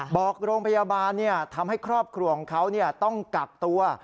บอกโรงพยาบาลทำให้ครอบครัวของเขาต้องกักตัว